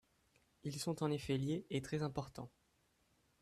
Ils sont en effet liés, et très importants.